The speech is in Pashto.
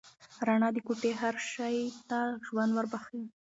رڼا د کوټې هر شی ته ژوند ور وباښه.